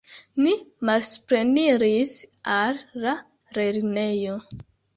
Ni malsupreniris al la lernejo.